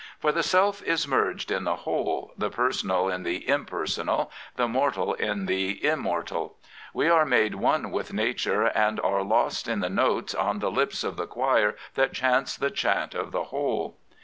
For the self is merged in the whole, the personal in the impersonal, the mortal in the immortal. We are made one with Nature, and are ... lost in the notes on the lips of the choir That chants the chant of the whole.